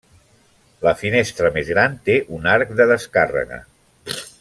La finestra més gran té un arc de descàrrega.